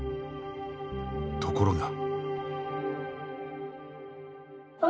ところが。